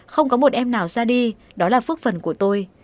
không có một em nào ra đi đó là phước phần của tôi